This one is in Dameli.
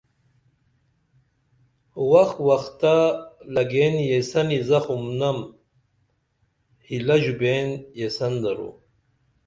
وخ وختہ لگئین یسینی زخمنم ہلہ ژوپئین یسین درو